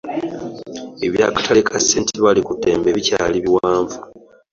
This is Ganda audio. Eby'akatale ka st.Baliddembe bikyali biwanvu.